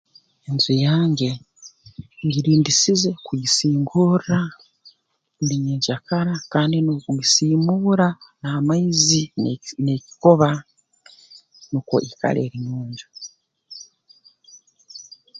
Enju yange ngirindisize kugisingorra buli nyenkyakara kandi n'okugisiimuura n'amaizi n'ekikoba nukwo ikale eri nyonjo